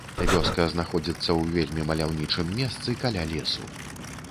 Вёска знаходзіцца ў вельмі маляўнічым месцы каля лесу.